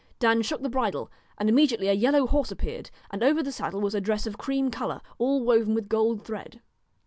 Dan shook the bridle and immediately a yellow horse appeared, and over the saddle was a dress of cream colour all woven with gold thread.